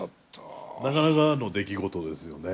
なかなかの出来事ですよね。